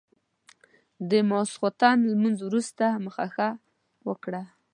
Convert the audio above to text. د ماسخوتن لمونځ وروسته مخه ښه وکړه.